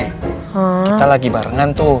kita lagi barengan tuh